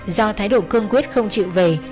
do thái độ cương quyết không chịu về